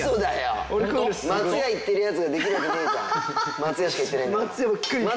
松屋しか行ってないんだから。